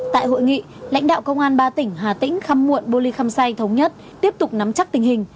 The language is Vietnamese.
tại hội nghị lãnh đạo công an ba tỉnh hà tĩnh khăm muộn bô ly khăm say thống nhất tiếp tục nắm chắc tình hình